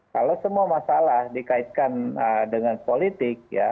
kalau semua masalah dikaitkan dengan politik ya